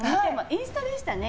インスタでしたね。